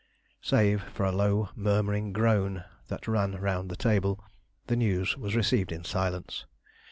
Save for a low, murmuring groan that ran round the table, the news was received in silence.